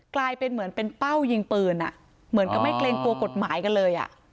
กลายเป็นเหมือนเป็นเป้ายิงปืนเหมือนกับไม่เกรงกลัวกฎหมายกันเลย